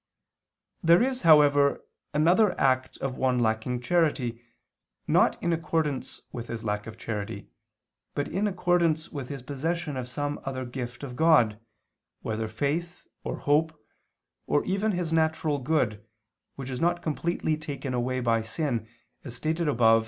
There is, however, another act of one lacking charity, not in accordance with his lack of charity, but in accordance with his possession of some other gift of God, whether faith, or hope, or even his natural good, which is not completely taken away by sin, as stated above (Q.